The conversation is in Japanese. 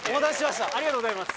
ありがとうございます。